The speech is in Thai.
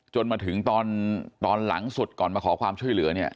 จนมาถึงตอนหลังสุดก่อนมาขอความช่วยเหลือเนี่ย